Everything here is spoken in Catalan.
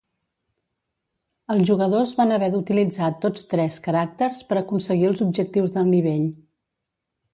Els jugadors van haver d'utilitzar tots tres caràcters per aconseguir els objectius del nivell.